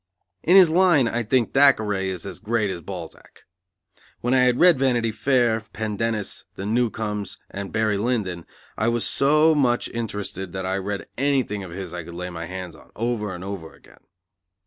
In his line I think Thackeray is as great as Balzac. When I had read Vanity Fair, Pendennis, The Newcomes and Barry Lyndon, I was so much interested that I read anything of his I could lay my hands on, over and over again.